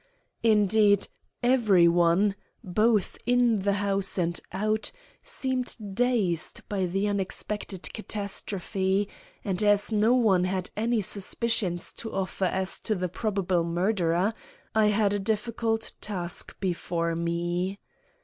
Indeed, every one, both in the house and out, seemed dazed by the unexpected catastrophe, and as no one had any suspicions to offer as to the probable murderer, I had a difficult task before me.